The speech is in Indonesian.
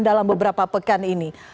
dalam beberapa pekan ini